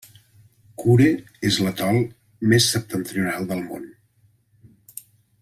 Kure és l'atol més septentrional del món.